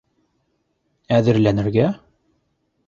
Әҙерләнергә?